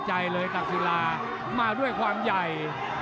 ใจเลยตักศิลามาด้วยความใหญ่